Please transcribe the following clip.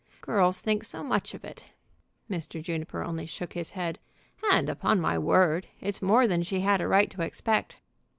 "Girls think so much of it," Mr. Juniper only shook his head, "and, upon my word, it's more than she had a right to expect."